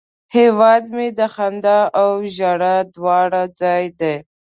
هیواد مې د خندا او ژړا دواړه ځای دی